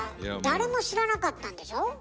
誰も知らなかったんでしょ？